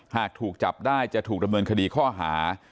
หากถูกจับได้จะถูกดำเนินคดีข้อหา